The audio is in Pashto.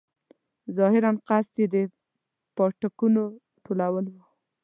ظاهراً قصد یې د پاټکونو ټولول وو.